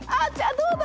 どうだ？